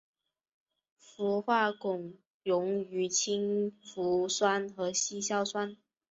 氟化汞溶于氢氟酸和稀硝酸。